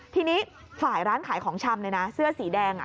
ทีนี้ฝ่ายร้านขายของชำเลยนะเสื้อสีแดงอ่ะ